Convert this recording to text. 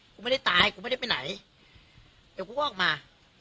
กูไม่ได้ตายกูไม่ได้ไปไหนเดี๋ยวกูก็ออกมา